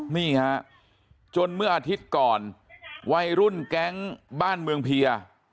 นี่ฮะจนเมื่ออาทิตย์ก่อนวัยรุ่นแก๊งบ้านเมืองเพีย